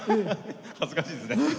恥ずかしいですね。